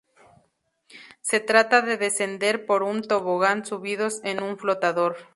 Se trata de descender por un tobogán subidos en un flotador.